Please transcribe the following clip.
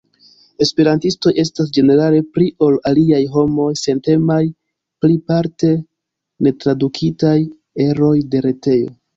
Esperantistoj estas ĝenerale pli ol aliaj homoj sentemaj pri parte netradukitaj eroj de retejo.